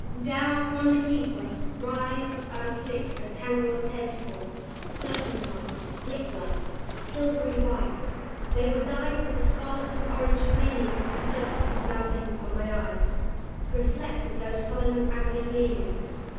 Down from the Keeper writhed and flicked a tangle of tentacles; serpentine, whiplike. Silvery white, they were dyed with the scarlet and orange flaming of the surface now hidden from my eyes; reflected those sullen and angry gleamings.